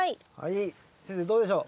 先生どうでしょう？